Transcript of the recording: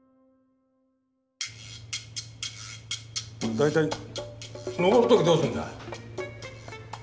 大体上る時どうすんだ。